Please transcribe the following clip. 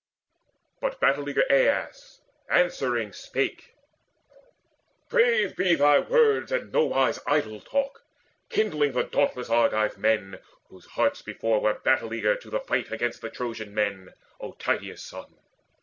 But battle eager Aias answering spake "Brave be thy words, and nowise idle talk, Kindling the dauntless Argive men, whose hearts Before were battle eager, to the fight Against the Trojan men, O Tydeus' son.